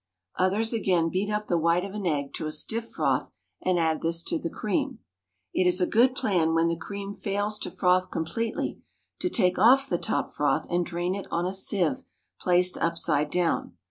Others again beat up the white of an egg to a stiff froth, and add this to the cream. It is a good plan when the cream fails to froth completely to take off the top froth and drain it on a sieve placed upside down.